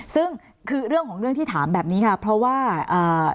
ซึ่งคือเรื่องของเรื่องที่ถามแบบนี้ค่ะเพราะว่าอ่า